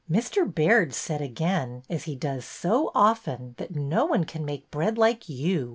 '' Mr. Baird said again, as he does so often, that no one can make bread like you.